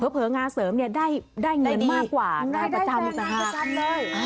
เผลองานเสริมได้เงินมากกว่างานประจำเลย